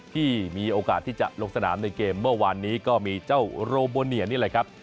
ที่มีโอกาสที่จะลงสนามในเกมเมื่อวานนี้ก็มีเจ้าโรโบเนียนี่แหละครับ